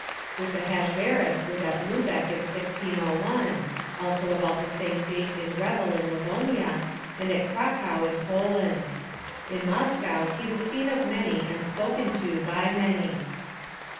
This Ahasverus was at Lubeck in 1601, also about the same date in Revel in Livonia, and in Cracow in Poland. In Moscow he was seen of many and spoken to by many.